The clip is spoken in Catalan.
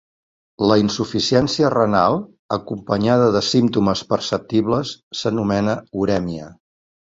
La insuficiència renal acompanyada de símptomes perceptibles s'anomena urèmia.